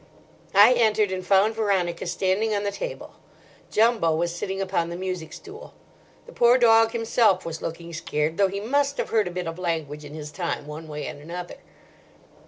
I entered, and found Veronica standing on the table. Jumbo was sitting upon the music stool. The poor dog himself was looking scared, though he must have heard a bit of language in his time, one way and another.